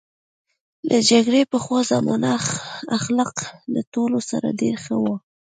له جګړې پخوا زما اخلاق له ټولو سره ډېر ښه وو